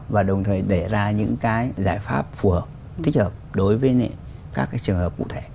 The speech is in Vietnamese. và đồng thời để ra những cái giải pháp phù hợp thích hợp đối với các trường hợp cụ thể